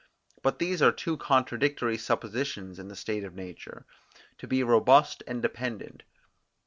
But these are two contradictory suppositions in the state of nature, to be robust and dependent.